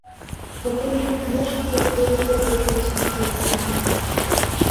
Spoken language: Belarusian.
Пакуль жа дачнікі актыўна забруджваюць навакольныя лясы.